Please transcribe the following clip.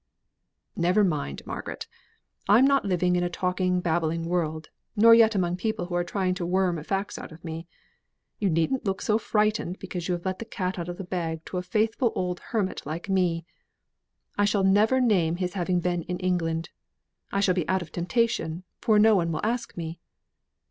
"Never mind, Margaret. I am not living in a talking, babbling world, nor yet among people who are trying to worm facts out of me; you needn't look so frightened because you have let the cat out of the bag to a faithful old hermit like me. I shall never name his having been in England; I shall be out of temptation, for no one will ask me.